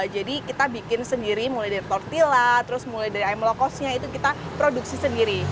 jadi kita bikin sendiri mulai dari tortilla terus mulai dari ayam locosnya itu kita produksi sendiri